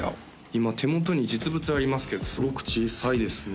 今手元に実物ありますけどすごく小さいですね